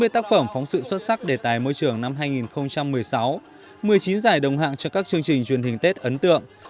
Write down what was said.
sáu mươi tác phẩm phóng sự xuất sắc đề tài môi trường năm hai nghìn một mươi sáu một mươi chín giải đồng hạng cho các chương trình truyền hình tết ấn tượng